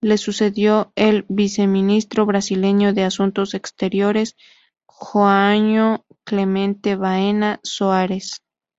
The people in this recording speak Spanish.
Le sucedió el Viceministro brasileño de Asuntos Exteriores, João Clemente Baena Soares.